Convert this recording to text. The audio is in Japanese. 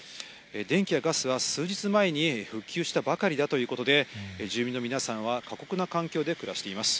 電気やガスは数日前に復旧したばかりだということで、住民の皆さんは、過酷な環境で暮らしています。